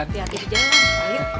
hati hati di jalan